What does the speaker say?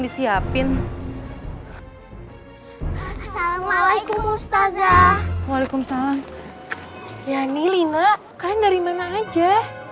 disiapin assalamualaikum ustazah waalaikumsalam yani lina kalian dari mana aja